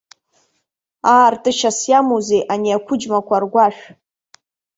Аартышьас иамоузеи ани ақәыџьмақәа ргәашә?!